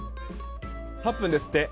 ８分ですって。